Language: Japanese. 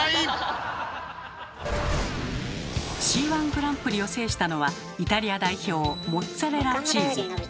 「Ｃ−１グランプリ」を制したのはイタリア代表モッツァレラチーズ。